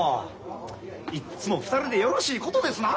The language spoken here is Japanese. いっつも２人でよろしいことですな！